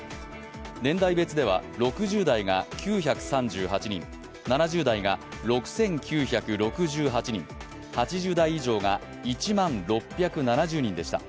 年代別では６０代が９３８人、７０代が６９６８人８０代以上が１万６７０人でした。